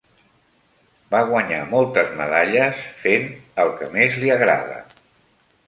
Va guanyar moltes medalles fent el que més li agrada.